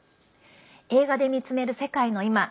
「映画で見つめる世界のいま」。